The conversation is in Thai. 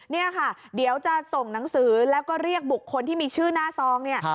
นี่ค่ะเดี๋ยวจะส่งหนังสือแล้วก็เรียกบุคคลที่มีชื่อหน้าซองเนี่ย